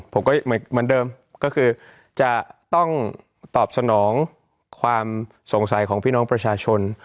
ผมก็เหมือนเดิมก็คือจะต้องตอบสนองความสงสัยของพี่น้องประชาชน